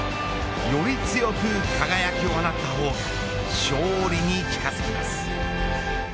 より強く輝きを放ったほうが勝利に近づきます。